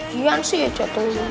gian sih ya catur gian